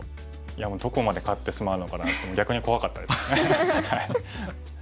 いやもうどこまで勝ってしまうのかなって逆に怖かったですね。